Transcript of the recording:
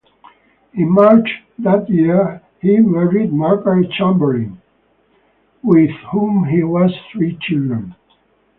In March that year, he married Margaret Chamberlin, with whom he had three children.